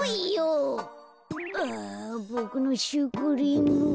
あボクのシュークリーム。